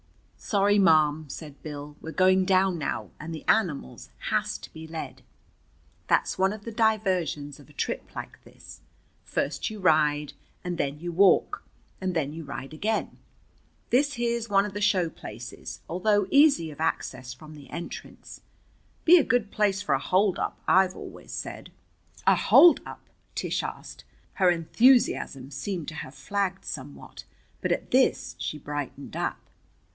"Sorry, ma'am," said Bill. "We're going down now, and the animals has to be led. That's one of the diversions of a trip like this. First you ride and than you walk. And then you ride again. This here's one of the show places, although easy of access from the entrance. Be a good place for a holdup, I've always said." "A holdup?" Tish asked. Her enthusiasm seemed to have flagged somewhat, but at this she brightened up.